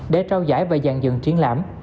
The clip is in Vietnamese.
để trao giải và dạng dựng triển lạm